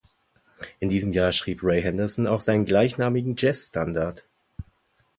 In diesem Jahr schrieb Ray Henderson auch seinen gleichnamigen Jazzstandard.